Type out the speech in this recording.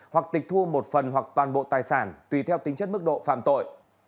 hoặc tịch thu một phần hoặc toàn bộ tài sản tùy theo tính chất mức độ phạm tội